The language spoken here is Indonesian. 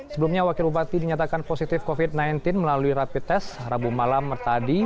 sebelumnya wakil bupati dinyatakan positif covid sembilan belas melalui rapid test rabu malam tadi